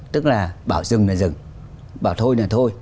tức là bảo dừng là dừng bảo thôi là thôi